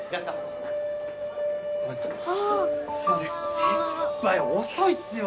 先輩遅いっすよ！